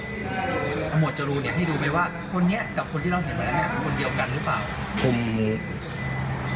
หมวดจรูนให้ดูไหมว่าคนนี้กับคนที่เราเห็นมาแล้วคนเดียวกันหรือเปล่า